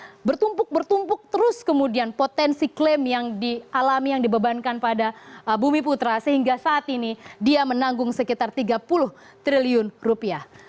yang bertumpuk bertumpuk terus kemudian potensi klaim yang dialami yang dibebankan pada bumi putra sehingga saat ini dia menanggung sekitar tiga puluh triliun rupiah